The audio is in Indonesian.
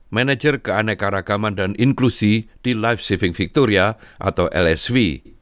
manajer keanekaragaman dan inklusi di life saving victoria atau lsv